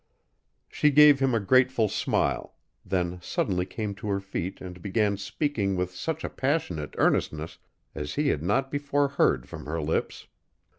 She gave him a grateful smile, then suddenly came to her feet and began speaking with such a passionate earnestness as he had not before heard from her lips.